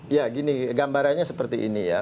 ya gini gambarannya seperti ini ya